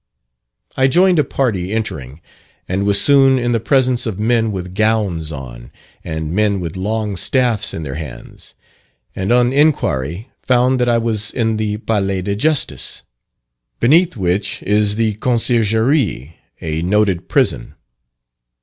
I joined a party entering, and was soon in the presence of men with gowns on, and men with long staffs in their hands and on inquiry found that I was in the Palais de Justice; beneath which is the Conciergerie, a noted prison.